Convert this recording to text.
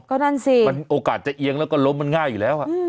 ก็นั่นสิมันโอกาสจะเอียงแล้วก็ล้มมันง่ายอยู่แล้ว